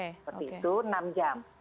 seperti itu enam jam